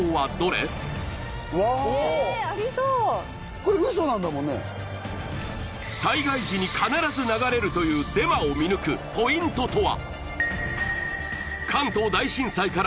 この災害時に必ず流れるというデマを見抜くポイントとは？